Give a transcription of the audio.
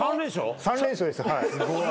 ３連勝でしたはい。